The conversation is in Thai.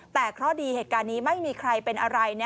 แต่เคราะห์ดีเหตุการณ์นี้ไม่มีใครเป็นอะไร